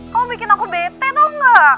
kamu bikin aku bete tau ga